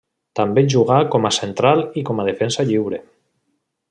També jugà com a central i com a defensa lliure.